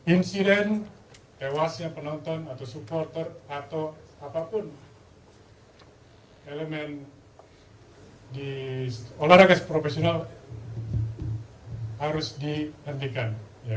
insiden tewasnya penonton atau supporter atau apapun elemen di olahraga profesional harus dihentikan